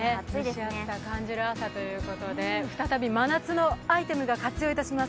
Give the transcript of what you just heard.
蒸し暑さ感じる朝ということで、再び真夏のアイテムを活用します。